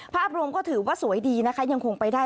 ภาพรวมก็ถือว่าสวยดีนะคะยังคงไปได้